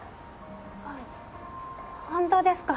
あ本当ですか？